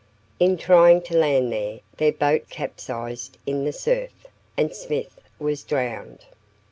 In trying to land there, their boat capsized in the surf, and Smith was drowned.